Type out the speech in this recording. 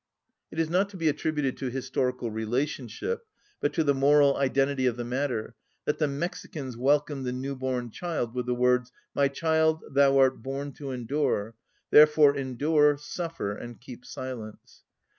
_) It is not to be attributed to historical relationship, but to the moral identity of the matter, that the Mexicans welcomed the new‐born child with the words, "My child, thou art born to endure; therefore endure, suffer, and keep silence."